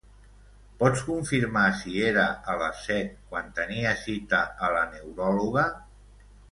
Pots confirmar si era a les set quan tenia cita a la neuròloga?